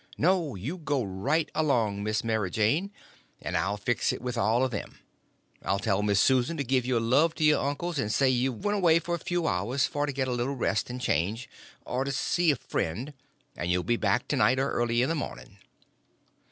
No, you go right along, Miss Mary Jane, and I'll fix it with all of them. I'll tell Miss Susan to give your love to your uncles and say you've went away for a few hours for to get a little rest and change, or to see a friend, and you'll be back to night or early in the morning."